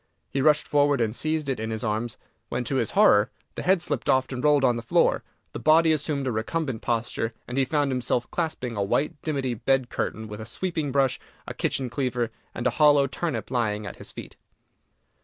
He rushed forward and seized it in his arms, when, to his horror, the head slipped off and rolled on the floor, the body assumed a recumbent posture, and he found himself clasping a white dimity bed curtain, with a sweeping brush, a kitchen cleaver, and a hollow turnip lying at his feet!